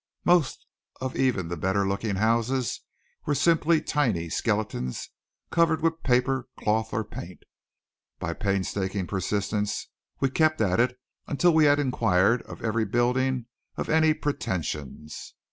Most of even the better looking houses were simply tiny skeletons covered with paper, cloth or paint. By painstaking persistence we kept at it until we had enquired of every building of any pretensions.